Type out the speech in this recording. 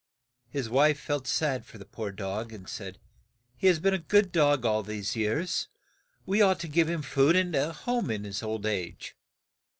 " His wife felt sad for the poor dog, and said, :' He has been a good dog all these years, and we ought to give him food and a home in his old age."